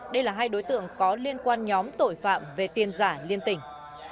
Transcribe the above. đây là hai đối tượng có liên quan nhóm tội phạm về tiền giả liên tỉnh